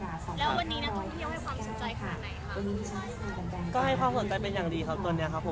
แล้ววันนี้นักท่องเที่ยวให้ความสนใจขนาดไหนคะก็ให้ความสนใจเป็นอย่างดีครับตอนนี้ครับผม